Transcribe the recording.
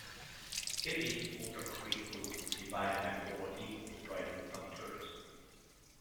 It is ultramarine blue divided by four equal stripes of turquoise.